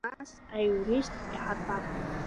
Нас аиурист иҳарбап.